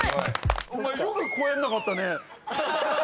お前よくこうやんなかったね。